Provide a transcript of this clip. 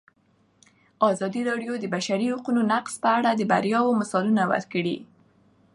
ازادي راډیو د د بشري حقونو نقض په اړه د بریاوو مثالونه ورکړي.